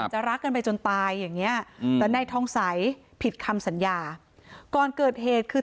อย่างเนี้ยอืมแต่นายท้องใสผิดคำสัญญาก่อนเกิดเหตุคือ